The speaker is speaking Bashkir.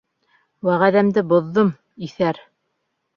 Вәғәҙәмде боҙҙом, иҫәр!